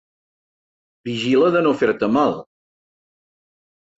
Vigila de no fer-te mal.